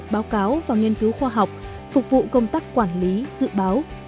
báo cáo và nghiên cứu khoa học phục vụ công tác quản lý dự báo